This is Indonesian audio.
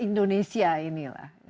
indonesia ini lah